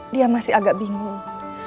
dia masih agak bingung